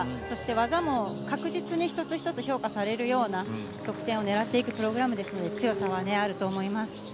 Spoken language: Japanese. そして技も確実に一つ一つ評価されるような、得点を狙っていくプログラムですので、強さはあると思います。